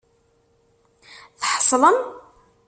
Tḥeṣlem?